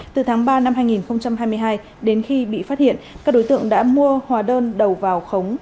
từ tháng ba năm hai nghìn hai mươi hai đến khi bị phát hiện các đối tượng đã mua hóa đơn đầu vào khống